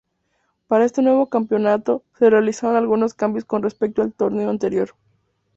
Para este nuevo campeonato se realizaron algunos cambios con respecto al torneo anterior.